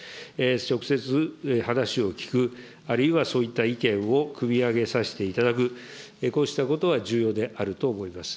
直接、話を聞く、あるいはそういった意見をくみ上げさせていただく、こうしたことは重要であると思います。